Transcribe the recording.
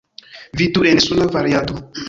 Vidu en suna variado.